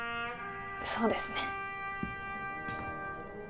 そうですね